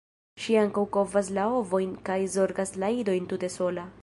Ŝi ankaŭ kovas la ovojn kaj zorgas la idojn tute sola.